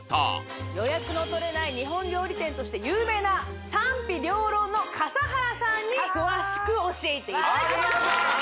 予約のとれない日本料理店として有名な「賛否両論」の笠原さんに詳しく教えていただきます